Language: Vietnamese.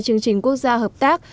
chương trình quốc gia hợp tác